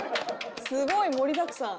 すごい盛りだくさん。